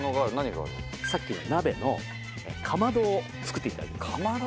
さっきの鍋のかまどを作ってかまど？